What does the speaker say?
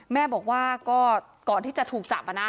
แม่บอกว่าก็ก่อนที่จะถูกจับนะ